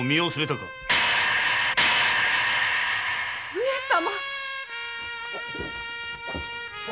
上様！